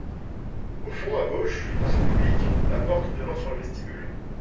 Au fond, à gauche, face au public, la porte donnant sur le vestibule.